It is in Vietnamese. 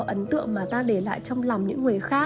ấn tượng mà ta để lại trong lòng những người khác